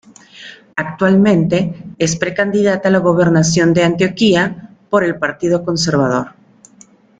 Actualmente es precandidata a la gobernación de Antioquia por el Partido Conservador.